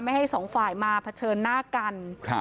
ให้สองฝ่ายมาเผชิญหน้ากัน